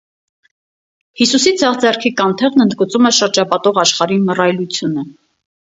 Հիսուսի ձախ ձեռքի կանթեղն ընդգծում է շրջապատող աշխարհի մռայլությունը։